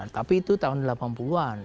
tapi itu tahun delapan puluh an